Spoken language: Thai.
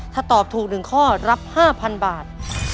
ถ้าตอบถูก๑ข้อรับ๕๐๐๐บาท